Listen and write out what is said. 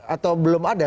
atau belum ada